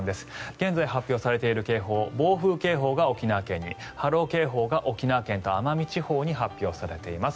現在、発表されている警報暴風警報が沖縄県に波浪警報が沖縄県と奄美地方に発表されています。